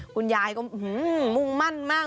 คุณยายก็มุ่งมั่นมาก